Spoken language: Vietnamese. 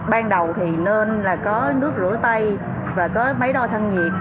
ban đầu thì nên là có nước rửa tay và có máy đo thân nhiệt